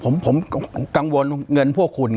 ปากกับภาคภูมิ